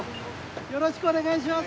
よろしくお願いします。